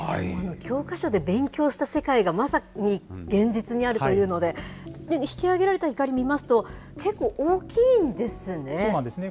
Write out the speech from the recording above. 教科書で勉強した世界が、まさに現実にあるというので、引き揚げられたいかり見ますと、結構、大きいんですね。